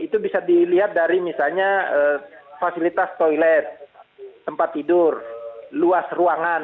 itu bisa dilihat dari misalnya fasilitas toilet tempat tidur luas ruangan